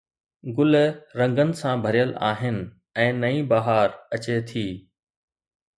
گل رنگن سان ڀريل آهن ۽ نئين بهار اچي ٿي